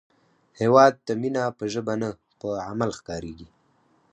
هیواد ته مینه په ژبه نه، په عمل ښکارېږي